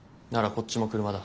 こっちも車だ。